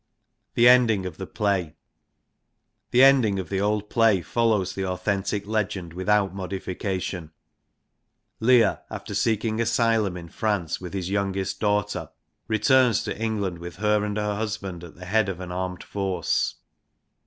The ending of the play. The ending of the old play follows the authentic legend without modification. Leir, after seeking asylum in France with his youngest daughter, returns to England with her and her husband at the head of an armed force.